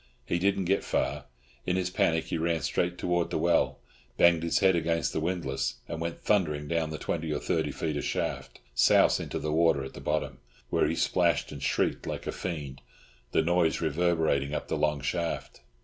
He didn't get far. In his panic he ran straight towards the well, banged his head against the windlass, and went thundering down the twenty or thirty feet of shaft souse into the water at the bottom, where he splashed and shrieked like a fiend, the noise reverberating up the long shaft.